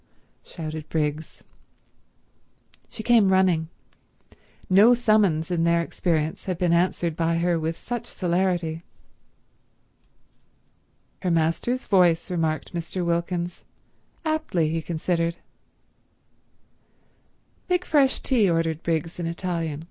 shouted Briggs. She came running. No summons in their experience had been answered by her with such celerity. "'Her Master's voice,'" remarked Mr. Wilkins; aptly, he considered. "Make fresh tea," ordered Briggs in Italian.